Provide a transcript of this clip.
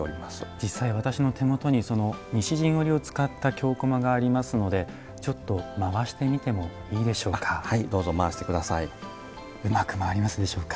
実際、私の手元に西陣織を使った京こまがありますのでちょっと回してみてもいいでしょうか。